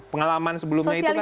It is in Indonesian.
pengalaman sebelumnya itu kan